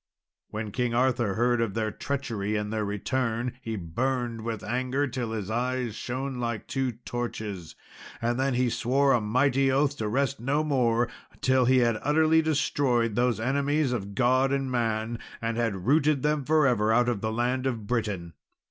When King Arthur heard of their treachery and their return, he burned with anger till his eyes shone like two torches, and then he swore a mighty oath to rest no more until he had utterly destroyed those enemies of God and man, and had rooted them for ever out of the land of Britain.